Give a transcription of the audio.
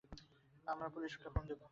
আমরা পুলিশকে ফোন দেব।